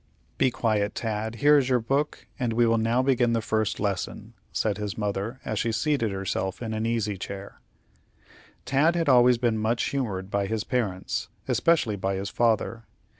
"Be quiet, Tad. Here is your book, and we will now begin the first lesson," said his mother, as she seated herself in an easy chair. Tad had always been much humored by his parents, especially by his father.